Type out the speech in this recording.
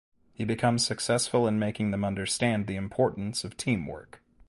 He becomes successful in making them understand the importance of teamwork.